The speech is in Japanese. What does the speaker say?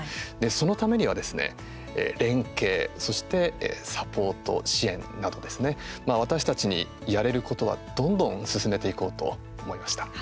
そのためにはですね、連携そしてサポート支援など私たちにやれることは、どんどん進めていこうと思いました。